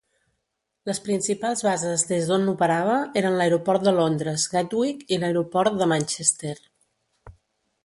Les principals bases des d'on operava eren l'aeroport de Londres Gatwick i l'aeroport de Manchester.